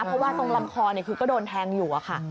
เพราะว่าตรงลำคอคือก็โดนแทงอยู่อะค่ะ